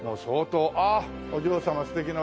ああお嬢様素敵な。